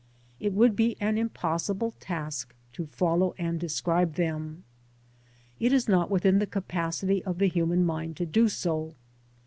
It would be an impossible task to follow and describe them. It is not within the capacity of the human mind to do so.